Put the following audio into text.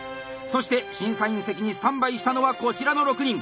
そして審査員席にスタンバイしたのはこちらの６人。